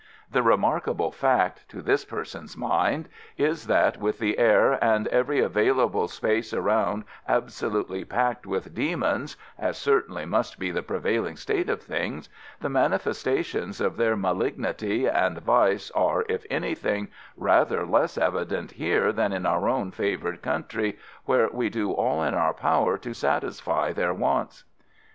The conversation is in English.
The remarkable fact, to this person's mind, is, that with the air and every available space around absolutely packed with demons (as certainly must be the prevailing state of things), the manifestations of their malignity and vice are, if anything, rather less evident here than in our own favoured country, where we do all in our power to satisfy their wants.